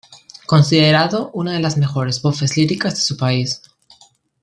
Considerado una de las mejores voces líricas de su país.